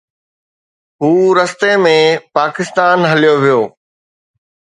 هو رستي ۾ پاڪستان هليو ويو.